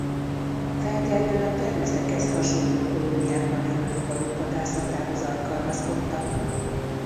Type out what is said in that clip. Feltehetően a termeszekhez hasonló kolóniákban élő rovarok vadászatához alkalmazkodtak.